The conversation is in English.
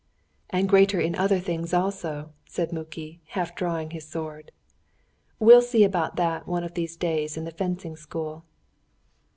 "And greater in other things also," said Muki, half drawing his sword. "We'll see about that one of these days in the fencing school."